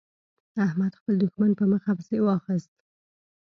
احمد خپل دوښمن په مخه پسې واخيست.